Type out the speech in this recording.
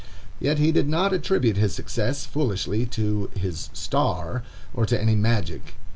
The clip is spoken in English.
Yet he did not attribute his success, foolishly, to "his star," or to any magic.